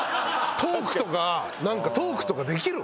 トークとかなんかトークとかできる？